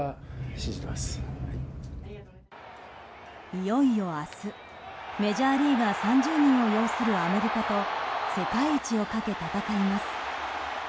いよいよ、明日メジャーリーガー３０人を擁するアメリカと世界一をかけ戦います。